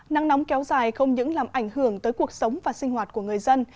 nắng nóng kéo dài không những làm ảnh hưởng tới cuộc sống và sinh hoạt của người dân